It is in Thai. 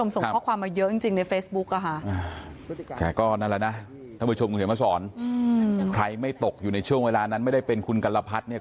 แต่ก็นั่นละนะท่านผู้ชมคุณเห็นมาสอนใครไม่ตกอยู่ในช่วงเวลานั้นไม่ได้เป็นคุณกรรพัฒน์เนี่ย